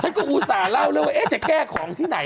ชั้นก็อูศาเล่าเอ๊จะแก้ของที่ไหน